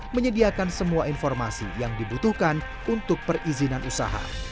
menyediakan semua informasi yang dibutuhkan untuk perizinan usaha